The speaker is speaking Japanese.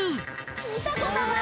見たことない！